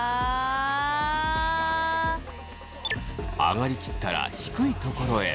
上がり切ったら低いところへ。